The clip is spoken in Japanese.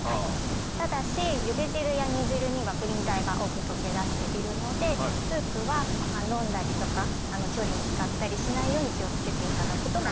ただしゆで汁や煮汁にはプリン体が多く溶け出しているのでスープは飲んだりとか調理に使ったりしないように気をつけていただくことも大切。